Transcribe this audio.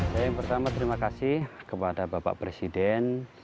saya yang pertama terima kasih kepada bapak presiden